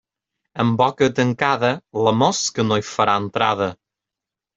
En boca tancada, la mosca no hi farà entrada.